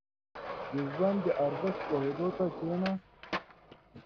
• د ژوند د ارزښت پوهېدو ته کښېنه.